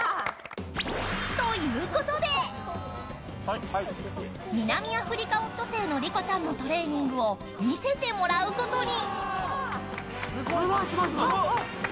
ということで、ミナミアフリカオットセイのリコちゃんのトレーニングを見せてもらうことに。